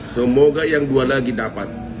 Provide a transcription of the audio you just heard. semoga yang dua lagi dapat